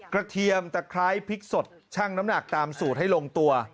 เทียมตะไคร้พริกสดชั่งน้ำหนักตามสูตรให้ลงตัว